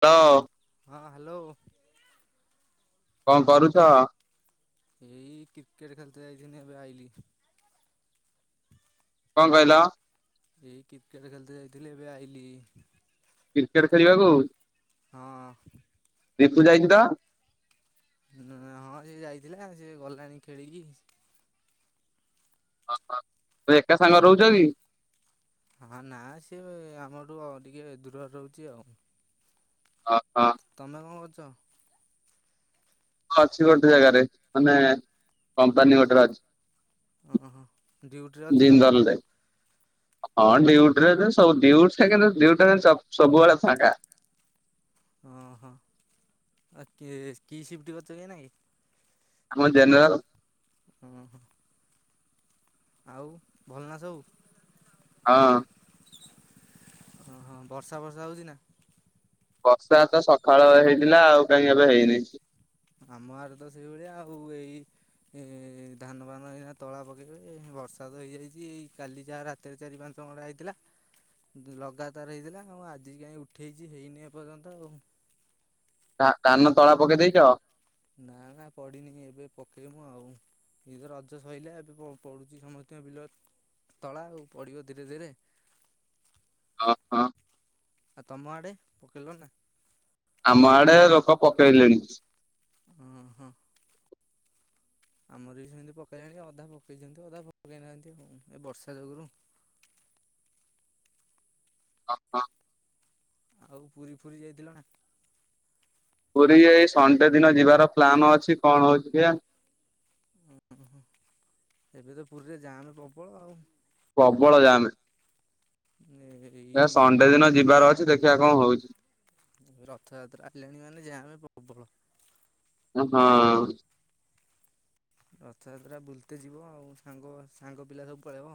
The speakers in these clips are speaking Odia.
ତ ହଁ ହ୍ୟାଲୋ। କଣ କରୁଛ? ଏଇ କ୍ରିକେଟ ଖେଳିତେ ଯାଇଥିଲି ଏବେ ଆଇଲି। କଣ କହିଲ? ଏଇ କ୍ରିକେଟ ଖେଳିତେ ଯାଇଥିଲି ଏବେ ଆଇଲି। କ୍ରିକେଟ ଖେଳିବାକୁ? ହଁ। ରିତୁ ଯାଇଛି ତ? ହଁ ଏଇ ଯାଇଥିଲା ସେ ଗଲାଣି ଖେଳିକି। ଓହ ମୁଁ କହିଲି ଏକା ସାଙ୍ଗରେ ତମ ରହୁଛ କି? ହଁ ନା ସିଏ ଆମଠୁ ଟିକେ ଦୂରରେ ରହୁଛି ଆଉ। ଓହୋ। ତମେ କଣ କରୁଛ? ଅଛି ଗୋଟେ ଜାଗାରେ ମାନେ କମ୍ପାନୀ ଗୋଟେ ରେ ଅଛି। ଓହୋ ଡିଉଟି ରେ ଅଛ ନା ଜିନ୍ଦଲ କଣ? ରେ ହଁ ଡିଉଟି ରେ ଏବେ ସବୁ ଡିଉଟି ସଟା କିନ୍ତୁ ଡିଉଟି ସବୁବେଳେ ଫାଙ୍କା। ହଁ ହଁ ଆଉ କେ କି ସିଫ୍ଟ କରୁଛ କି ଏଇନାକେ? ଆମ ଜେନେରାଲ। ହୁଁ ହୁଁ। ଆଉ ଭଲନା ସବୁ? ହଁ। ହଁ ହଁ ବର୍ଷା ଫର୍ଷା ହୋଉଛି ନା? ବର୍ଷା ତ ସକାଳ ହେଇଥିଲା। ଆଉ କାହିଁକି ଏବେ ହେଇନି। ଆମ ଗାଁରେ ତ ସେଇଭଳିଆ ଆଉ। ଏଇ ଏ ଧାନ ଫାନ ଏଇନା ତଳା ପକେଇଛନ୍ତି ବର୍ଷା ତ ହେଇଯାଇଛି। କାଲି ଯାହା ରାତି ଏ ଚାରି ପାଞ୍ଚ ମଳା ହେଇଥିଲା। ଲଗାତାର ହେଇଥିଲା ଆଉ ଆଜି କାହିଁ ଉଠେଇଛି ହେଇନି ଏ ପର୍ଯ୍ୟନ୍ତ ଆଉ। ତା ଧାନ ତଳା ପକେଇ ଦେଇଛ? ନା ନା ପଡ଼ିନି ଏବେ ପକେଇବୁ ଆଉ। ଏଇତ ରଜ ସଇଲା ଏବେ ପ ପଡୁଛି ସମସ୍ତଙ୍କ ବିଲ ତଳା ଆଉ ପଡିବ ଧୀରେ ଧୀରେ। ହଁ ହଁ। ଆଉ ତମ ଆଡେ ପକେଇଲଣି ନା? ଆମ ଆଡେ ଲୋକ ପକେଇଲେଣି। ଓହୋ। ଆମର ବି ସେମିତି ପକେଇଲେଣି ଅଧା ପକେଇଛନ୍ତି ଅଧା ପକେଇନାହାନ୍ତିଁ। ଏ ବର୍ଷା ଯୋଗୁଁ ରୁ। ଅ ହଁ। ଆଉ ପୁରୀ ଫୁରୀ ଯାଇଥିଲ ନା? ପୁରୀ ଏଇ ଶଣ୍ଡେ ଦିନ ଯିବାର ପ୍ଲାନ ଅଛି। କଣ ହଉଛି କେଜାଣି। ଉ ହୁଁ। ଏବେ ତ ପୁରୀରେ ଯାମ୍ ପ୍ରବଳ ଆଉ। ପ୍ରବଳ ଜାମ୍। ନେ ଏ। ଏ ସଣ୍ଡେ ଦିନ ଯିବାର ଅଛି। ଦେଖିବା କଣ ହଉଛି? ରଥଯାତ୍ରା ଆଇଲାଣି ମାନେ ଯାମେ ପ୍ରବଳ। ହଁ। ରଥଯାତ୍ରା ବୁଲତେ ଯିବ ଆଉ। ସାଙ୍ଗ ସାଙ୍ଗ ପିଲା ସବୁ ପଳେଇବ।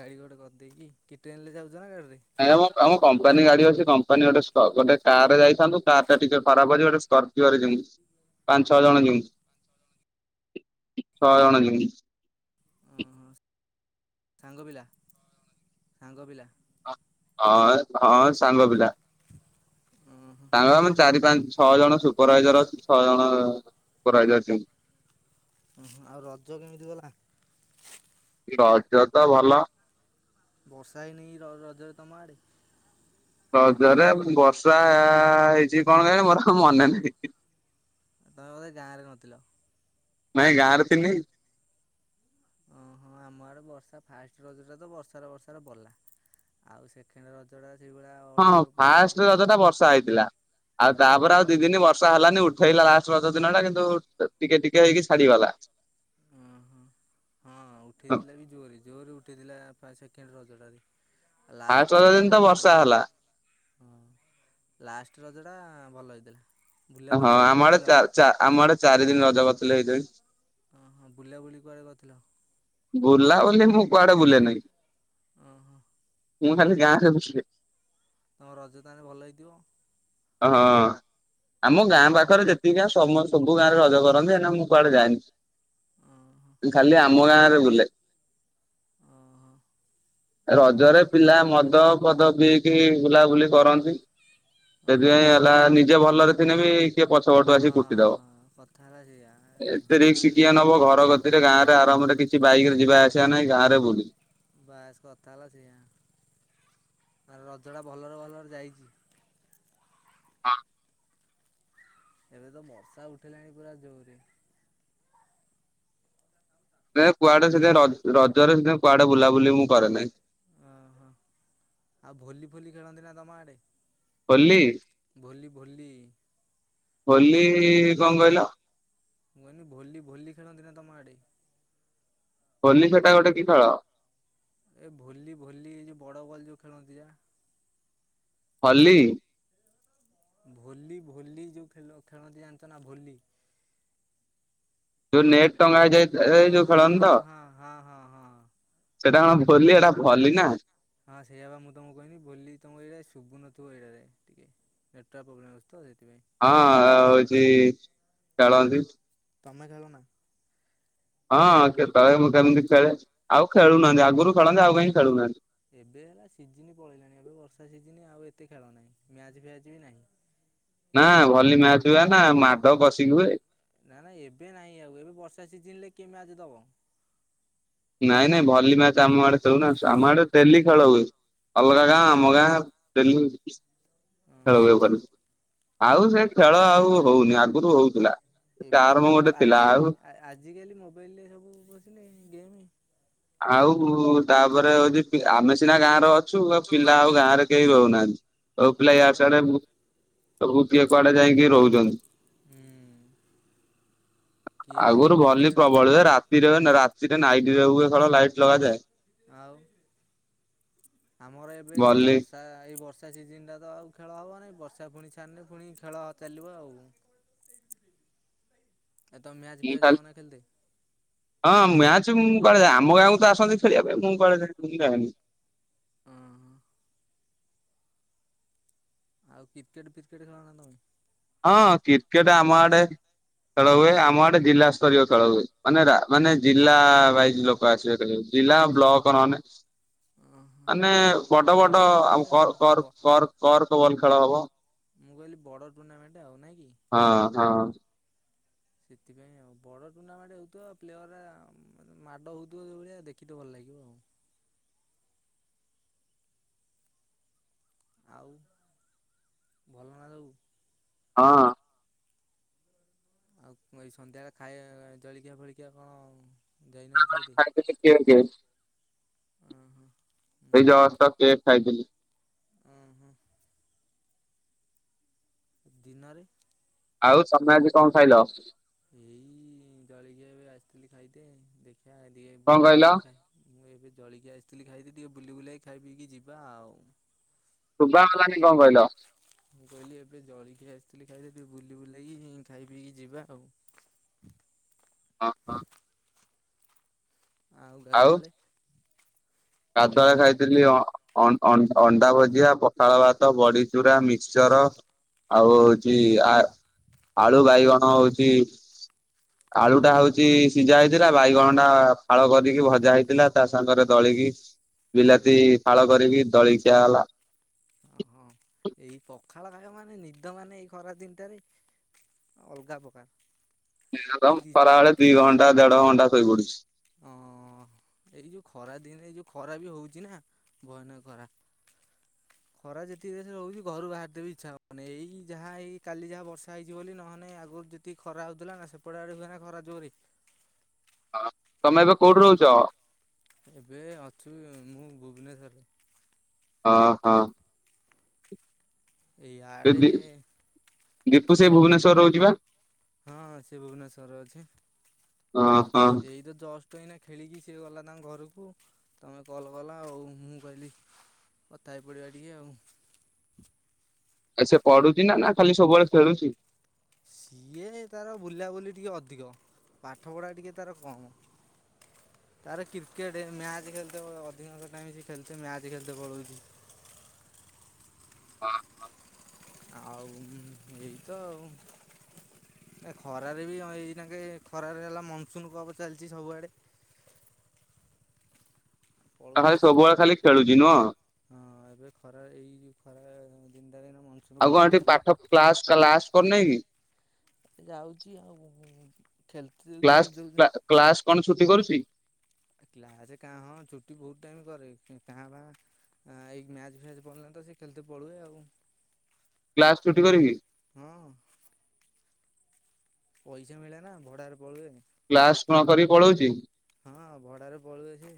ଗାଡ଼ି ଗୋଟେ କରିଦେଇକି। କିଏ ଟ୍ରେନ୍ ଯାଉଛ ନା ଗାଡ଼ିରେ? ନାଇଁ ଆମ ଆମ କମ୍ପାନୀ ଗାଡି ଅଛି। କମ୍ପାନୀ ଗୋଟେ ଗୋଟେ କାର ଯାଇଥାନ୍ତୁ। କାର ଟା ଟିକେ ଖରାପ ଅଛି। ଗୋଟେ ସ୍କ ଯିବା [unintelligible] ପାଞ୍ଚ ଛଅ ଜଣ [unintelligible] ଛଅ ଜଣ। [unintelligible] ଓହୋ ସାଙ୍ଗ ପିଲା। ସାଙ୍ଗ ପିଲା। ହଁ ହଁ ସାଙ୍ଗ ପିଲା। ଓହୋ ତାଙ୍କ ଆମେ ଚାରି, ପାଞ୍ଚ, ଛଅ ଜଣ ସୁପରଭାଇଜର ଅଛି। ଛଅ ଜଣ ସୁପରଭାଇଜର ଅଛି। ଉ ହୁଁ ଆଉ ରଜ କେମିତି ଗଲା? ରଜ ତ ଭଲ। ବର୍ଷା ହେଇନି ର-ରଜରେ ତମ ଆଡେ? ରଜରେ ବର୍ଷା ର୍ଷା ହେଇଛି କଣ ମୋର ମନେ ନାହିଁ। ତମେ ବୋଧେ ଗାଁ ରେ ନଥିଲ। ନାଇଁ ଗାଁ ରେ ଥିଲି। ଓ ହୋ ଆମ ଆଡେ ବର୍ଷା ଫାଷ୍ଟ ରଜରେ ତ ବର୍ଷାରେ ବର୍ଷାରେ ଗଲା। ଆଉ ସେ ସେକେଣ୍ଡ ରଜ ଟା ସେଇଭଳିଆ ହଁ ଅଳ୍ପ ଅଳ୍ପ ଫାଷ୍ଟ ରଜ ଉଠି ଟା ବର୍ଷା ହେଇଥିଲା ଆଉ ପା ତାପରେ ଆଉ ପ୍ରବଳ। ଦି ଦିନ ବର୍ଷା ହେଲାନି ଉଠେଇଲା ଲାଷ୍ଟ ଦିନ ଟା କିନ୍ତୁ ଟିକେ ଟିକେ ହେଇକି ଛାଡିଗଲା। ଓହୋ [inaudible] ହଁ ଉଠେଇଥିଲା ବି ଜୋରରେ। ଜୋରରେ ଉଠେଇଥିଲା ପ୍ରାଏ ସେକେଣ୍ଡ ରଜ ଟାରେ। ଫାଷ୍ଟ ଲାଷ୍ଟ ରଜ ରଜଟା ଦିନ ତ ଭଲ ବର୍ଷା ହେଇଥିଲା। ହେଲା ହଁ ଲାଷ୍ଟ ରଜଟା ଭଲ ହେଇଥିଲା। ବୁଲା ହଁ ବୁଲି ଆମ କୁଆଡ଼େ ଆଡେ କରିଥିଲ? ଚା ଚା ଆମ ଆଡେ ଚାରି ଦିନ ରଜ କରଥିଲେ ହେଇକିଣି। ହଁ ହଁ ବୁଲା ବୁଲି କୁଆଡ଼େ କରିଥିଲ? ବୁଲା ବୁଲି ମୁଁ କୁଆଡେ ବୁଲେ ନେଇଁ। ଓ ହୋ। ମୁଁ ଖାଲି ଗାଁରେ ବୁଲେ। ତମ ରଜ ତାହେଲେ ଭଲ ହେଇଥିବ। ହଁ। ଆମ ଗାଁ ପାଖରେ ଯେତିକି ଗାଁ ସମସ୍ତ ସବୁ ଗାଁରେ ରଜ କରନ୍ତି କାହିକି ନା ମୁଁ କୁଆଡେ ଓହୋ। ଯାଏନି। ଖାଲି ଆମ ଗାଁ ରେ ବୁଲେ। ହଁ। ରଜରେ ପିଲା ମଦ ଫଦ ପିଇକି ବୁଲାବୁଲି କରନ୍ତି। ସେଥିପାଇଁ ହଁ ହେଲା ନିଜେ ଭଲରେ ଥିଲେ ବି ଟିକେ ପଛ ପଟୁ ଆସି ହଁ କୁଟି ଦବ। କଥା ହେଲା ସେଇଆ ନିଜ ଏତେ ଗାଁ ରିକ୍ସ ନି କିଏ ନବ। ଘର ହଁ କତିରେ ଗାଁ ରେ ଆରମରେ କିଛି କିଛି ବାଇକ ରେ ଯିବା ଆସିବା ନାଇଁ ଗାଁରେ ବୁଲିଲୁ ବାସ୍ କଥା ହେଲା ସେଇଆ। ଆ ରଜଟା ଭଲରେ ଭଲରେ ଯାଇଛି। ହଁ। ଏବେ ତ ବର୍ଷା ଉଠିଲାଣି ପୁରା ଜୋରରେ। ନା ଆଉ କୁଆଡେ ସେଦିନ ରଜ ରଜରେ, ସେ କୁଆଡେ ବୁଲାବୁଲି ମୁଁ କରେ ନାହିଁ। ଓହୋ। ଆଉ ଭୋଲି ଫୋଲି ଖେଳନ୍ତି ନା ତମ ଆଡେ। ହୋଲି। ଭୋଲି, ଭୋଲି। ହୋଲି ଲି କଣ କହିଲ? ମୁଁ କହିଲି, ବୋଲି ଭୋଲି ଖେଳନ୍ତି ନା ତମ ଆଡେ। ହୋଲି ସେଟା ଗୋଟେ କି ଖେଳ। ଏ ଭଲି ଭଲି ଏ ଯୋଉ ବଡ ବଲ୍ ଯୋଉ ଖେଳନ୍ତି ଯା ହଲି ଭୋଲି ଭୋଲି ଯେଉଁ ଖେ ଖେଳନ୍ତି ଜାଣିଛ ନା ଭୋଲି। ଯୋଉ ନେଟ ଟଙ୍ଗା ହେଇଯାଇ ହଁ ଯୋଉ ହଁ ଖେଳନ୍ତି ତ। ହଁ ହଁ ହଁ ହଁ ହଁ। ସେଟା କଣ ବୋଲି ଏଟା ଭଲି ନା। ହଁ ସେଇଆ ବା ମୁଁ ତମକୁ କହିଲି ବୋଲି ତମ ଏଇଟା ଶୁଭୁନଥିବ ଏଇଟାରେ ଟିକେ। ନେଟୱାର୍କ୍ ପ୍ରୋବ୍ମ୍ ଅଛି ତ ସେଥିାଇଁ। ହଁ ଆ ହଉଛି ଚଳନ୍ତି। ତମେ ଖେଳ ନା? ହଁ ତ କେତେବଳେ ମୁ କେମିତି ଖେଳେ ଆଉ ଖେଳୁନାହାନ୍ତି ଆଗରୁ ଖେଳନ୍ତି ଆଉ କାହିଁ ଖେଳୁନାହାନ୍ତି। ଏବେ ହେଲା ସିଜିିନ ପଳେଇଲାଣି ଏବେ ବର୍ଷା ସିଜିନ ଆଉ ଏତେ ଖେଳ ନାହିଁ ମ୍ୟାଚ ଫ୍ୟାଚ ବି ନାହିଁ। ନା ଆ ଭଲି ମ୍ୟାଚ ହୁଏ ନା ମାଡ କଶିକି ହୁଏ। ନା ନାଇ ଏବେ ନାହିଁ ଆଉ ଏବେ ବର୍ଷା ସିଜିନ ରେ କିଏ ମ୍ୟାଚ୍ ଦବ। ନାଇଁ ନାଇଁ ଭଲି ମ୍ୟାଚ ଆମ ଆଡେ ଖେଲୁନା ଆମ ଆଡେ ଡେଲି ଖେଳ ହୁଏ ଅଲଗା ଗାଁ ଦବ? ଆମ ଗାଁ। ଉଁ ହୁଁ [inaudible] ଆଉ ସେ ଖେଳ ଆଉ ହଉନି ଆଗରୁ ହଉଥିଲା ସେ ଚାରମ ଗୋଟେ ଥିଲା ଆଉ। ଆ ଆଜିକାଲି ମୋବାଇଲରେ ସବୁ ବସିଲେ ଗେମ୍। ଆଉ ତାପରେ ହଉଛି ଆମେ ସିନା ଗାଁ ର ଅ ଛୁ ଆ ପିଲା ଆଉ ଗାଁ ରେ କେହି ରହୁନାହାନ୍ତି ଆଉ ପିଲା କଥା ୟା ହେଲା ସିଆଡେ। ସେଇଆ। ସବୁ କିଏ କୁଆଡେ ଯାଇକି ରହୁଛନ୍ତି। ହୁଁ କିଏ ଆଗରୁ ଭଲି କ୍ରିକେଟ୍ ପ୍ରବଳ ଭଲି ହୁଏ ରାତି ରାରେ ରାତିରେ ନାଇଟରେ ହୁଏ ଖେଳ ଲାଇଟ ଲଗାଯାଏ। ଆଉ ଆମର ଏବେ ଭଲି ବର୍ଷା ଏଇ ବର୍ଷା ସିଜିନ ଟା ତ ଆଉ ଖେଳ ହବ ନାଇଁ ବର୍ଷା ପୁଣି ଛାଡିଲେ ପୁଣି ଖେଳ ଚାଲିବ ଆଉ। [inaudible] ଏ ତ ମ୍ୟାଚ ମୁଁ ଫେଜ ଖାଲି ଯାଉ ନା ଖେ ହଁ ମ୍ୟାଚ ମୁଁ କୁଆଡେ ଯାଏ ଆମ ଗାଁକୁ ତ ଆସନ୍ତି ଖେଳିବା ପାଇଁ ମୁଁ କୁଆଡେ ଯାଏ ଯାନି। ହଁ ଆଉ କ୍ରିକେଟ ଫ୍ରିକେଟ ଖେଳ ନା ତମେ? ହଁ କ୍ରିକେଟ ଆମ ଆଡେ ଖେଳ ହୁଏ ଆମ ଆଡେ ଜିଲ୍ଲା ସ୍ତରୀୟ ଖେଳ ହୁଏ ମାନେ ମାନେ ଜିଲ୍ଲା ୱାଇଜ ଲୋକ। ଆସିବେ କହିବେ ଜିଲ୍ଲା ବ୍ଲକ ନହଲେ ମାନେ ବଡ ବଡ଼ ବଡ ଆ ଟୁର୍ଣ୍ଣାମେଣ୍ଟ ଆଉ କର ବ କର କରକ ବଲ ଖେଳ ହବ। ମୁଁ କହିଲି ବଡ ଟୁର୍ଣ୍ଣାମେଣ୍ଟ ଆଉ ନାଇଁ କି? ହଁ ହଁ ସେଥିପାଇଁ ଆଉ ବଡ଼ ଟୁର୍ଣ୍ଣାମେଣ୍ଟ ହେଉଥିବ ପ୍ଲେୟର ମେ ମାଡ଼ ହଉଥିବ ଯେଉଁ ଭଳିଆ ଦେଖିକି ଭଲ ଲାଗିବ ଆଉ। ଆଉ ଭଲ ନା ସବୁ? ହଁ ଆଉ ଏଇ ସନ୍ଧ୍ୟାବେଳେ ଖାଇ ଜଳିକିଆ ଫଳିକିଆ କଣ? ଯାଇନ ଖାଇଦ ଖାଇଥିଲି କେକ୍ ଏଇ ଓ ହୋ ଏଇ ଜସ୍ତ କେକ ଖାଇଥିଲି। ହଁ ହୁଁ ଦିନରେ? ଆଉ ତମେ ଆଜି କଣ ଖାଇଲ? ଏଇ ଦଳିିକି ଏବେ ଆସିଥିଲି ଖାଇଦେ ଦେଖିବା ଟିକେ କଣ ବୁଲି କହିଲ ବୁଲା ଖାଏ ମୁଁ ଏବେ ଜଳିକି ଆସିଥିଲି ଖାଇଥିଲି ଟିକେ ବୁଲି ବୁଲେଇକି ଖାଇ ପିଇକି ଯିବା ଆଉ। ଶୁଭା ଗଲାନି କଣ କହିଲ? ମୁଁ କହିଲି ଏବେ ଜଳିଖିଆ ଆସିଥିଲି ଖାଇଆକୁ ଟିକେ ବୁଲି ବୁଲାକି ଖାଇ ପିଇକି ଯିବା ଆଉ। ଓହୋ। ଆଉ ଗାଧୁଆଳେ। ମୁଁ କହିଲି ଗାଧୁଆଲେ ଗା ଖାଇଥିଲି ଅ ଅ, ଅଣ୍ଡା ଭୁଜିଆ, ପଖାଳ ଭାତ, ବଡି ଚୁରା, ମିକ୍ସଚର। ଆଉ ହଉଛି ଆ, ଆଳୁ ବାଇଗଣ ହଉଛି ଆଳୁ ଟା ହଉଛି ସିଝା ହେଇଥିଲା ବାଇଗଣ ଟା ଫାଳ କରିକି ଭଜା ହେଇଥିଲା ତା ସାଙ୍ଗରେ ଦଳିକି ବିଲାତି ଫାଳ କରିକି ଦଳିକି ଖିଆ ହେଲା। ଓହଁ ଏଇ ପଖାଳ ଖାଇବ ମାନେ ନିଦ ମାନେ ଏଇ ଖରାଦିନଟାରେ ଅଲଗା ପକାର। ମିନିମମ୍ ଖରାବେଳେ ଦି ଘଣ୍ଟା, ଦେଢ ଘଣ୍ଟା, ଶୋଇପଡୁଛି। ଓ। ଏଇ ଯୋଉ ଖରା ଦିନେ ଏଇ ଯୋଉ ଖରା ବି ହଉଛି ନା, ଭୟାନକ ଖରା। [inaudible] ଖରା ଯେତିକି ଜୋସରେ ହଉଛି ଘରୁ ବାହାରି ତେବି ଇଛା ହବନି। ଏଇ ଯାହା ଏଇ କାଲି ଯାହା ବର୍ଷା ହେଇଛି ବୋଲି, ନହେଲେ ଆଗରୁ ଯେତିକି ଖରା ହଉଥିଲାନା ସେପଟେଆଡ଼େ ହୁଏ ନା ଖରା ଜୋରେ। ହଁ ତମେ ଏବେ କୋଉଠି ରହୁଛ? ଏବେ ଅଛୁ ମୁଁ ଭୁବନେଶ୍ୱରରେ। ଓହୋ। ଏ ଏଇଆଡେ ଦି ଦୀପୁ ସେଇ ତ ଭୁବନେଶ୍ଵର ରହୁଛି ବା ହଁ ସେ ଭୁବନେଶ୍ୱରରେ ଅଛି। ଓହୋ। ଏଇ ତ ଜଷ୍ଟ ଏଇନା ଖେଳିକି ସିଏ ଗଲା ତାଙ୍କ ଘରକୁ। ତମେ କଲ କଲ ଆଉ। ମୁଁ କହିଲି କଥା ହେଇ ପଡିବା ଟିକେ ଆଉ। ଆ ସେ ପଢୁଛି ନା ନା ଖାଲି ସବୁବେଳେ ଖେଳୁଛି। ସିଏ ତାର ବୁଲାବୁଲି ଟିକେ ଅଧିକ। ପାଠପଢ଼ା ଟିକେ ତାର କମ୍। ତାର କ୍ରିକେଟ ମ୍ୟାଚ ଖେଳୁଥିବ ଅଧିକାଂଶ ଟାଇମ ସେ ଖେଳୁଥିବ ମ୍ୟାଚ ଖେଳୁଥିବ। ଓହୋ। ଆଉ ଏଇ ତ ଆଉ। ଏ ଖରାରେ ବି ଏଇନାକେ ଖରାରେ ହେଲା ମନସୁନ କବ ଚାଲିଛି ସବୁଆଡେ। ନା ଖାଲି ପଳଉଛି ସିଏ ଆଉ। ସବୁବେଳେ ଖାଲି ଖେଳୁଛି ନୁହଁ ହଁ ଏବେ ଖରାରେ ଏଇ ଯୋଉ ଖରାରେ ଦିନଟାରେ ମନସୁନ୍ ଆଉ କପ କଣ ଏଠି ଯା ପାଠ କ୍ସ କ୍ଲାସ କରୁନେଇ କି? ଯାଉଛି ଆଉ ଖେଲିତେ ଯଉ କ୍ଲାସ ଯ ଯୋଉ ଦିନ। କ୍ଲାସ କଣ ଛୁଟି କରୁଛି। କ୍ଲାସ କାଁଭା ହଁ ଛୁଟି ବହୁତ ଟାଇମ କରେ କିନ୍ତୁ କାଁ ଭା ଆ ଏଇ ମ୍ୟାଚ ଫ୍ୟାଚ ପଡିଲାନି ତ ସେ ଖେଳିତେ ପଳଉଛି ଆଉ। କ୍ଲାସ ଛୁଟି କରିବି। ହଁ। ପଇସା ମିଳେ ନା ଭଡାରେ ପଳେଇଲେ। କ୍ଲାସ ନ କରିକି ପଳଉଛି। ହଁ ଭଡାରେ ପଳଉଛି।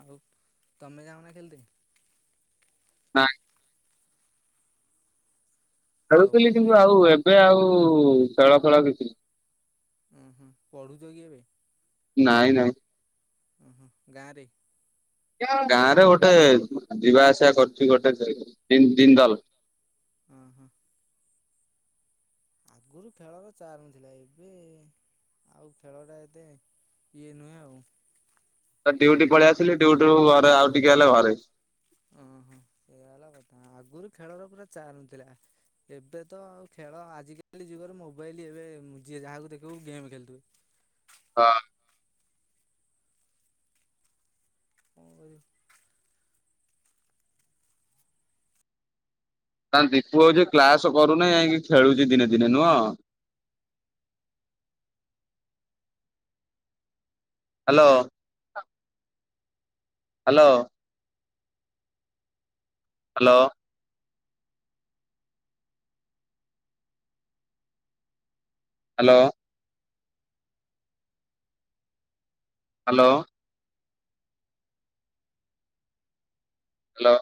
ଆଉ ତମେ ଯାାଉନା ଖେଲିତେ। ନା କି? ହ୍ୟାଲୋ ଖେଳୁଥିଲି କିନ୍ତୁ ଆଉ ଏବେ ଆଉ ଖେଳ ଫେଳ କିଛି ନାହିଁ। ଓଁ ହୁଁ ପଢୁଛ କି ଏବେ? ନାଇଁ ନାଇଁ। ଓହୋ ଗାଁରେ। ଗାଁରେ ଗୋଟେ ଯିବା ଆସିବା କରୁଛି ଗୋଟେ ଜି ଜି ଜିନ୍ଦଲ। ହଁ ହଁ। ଆଗରୁ ଖେଳର ଚାରମ୍ ଥିଲା ଏବେ ଆଉ ଖେଳ ଟା ଏତେ ଇଏ ନୁହେଁ ଆଉ। ତ ଡ୍ୟଉଟି ପଳେଇ ଆସିଲି ଡ୍ୟୁଟି ରୁ ଘରେ ଆଉ ଟିକେ ହେଲେ ଘରେ। ଓହୋ ଏଇ ସେୟା ହେଲା କଥା, ଆଗରୁ ଖେଳର ପୁରା ଚା ନଥିଲା। ଏବେ ତ ଖେଳ ଆଜିକାଲି ଯୁଗରେ ମୋବାଇଲ ଏବେ ଯିଏ ଯାହାକୁ ଦେଖିବୁ ଗେମ୍ ଖେଳୁଥିବେ। ହଁ। ହଁ। ତା ଦୀପୁ ହୋଉଚି କ୍ଲାସ କରୁନି, ଯାଇଁକି ଖେଳୁଛି ଦିନେ ଦିନେ ନୁହଁ? Hello. Hello. Hello. Hello. Hello. Hello.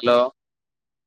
Hello.